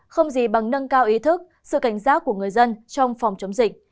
không gì bằng nâng cao ý thức sự cảnh giác của người dân trong phòng chống dịch